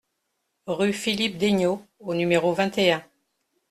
Rue Philippe d'Aigneaux au numéro vingt et un